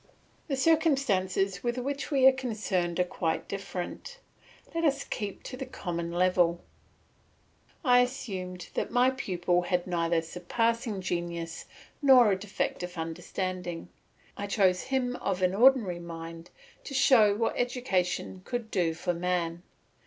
The circumstances with which we are concerned are quite different. Let us keep to the common level. I assumed that my pupil had neither surpassing genius nor a defective understanding. I chose him of an ordinary mind to show what education could do for man.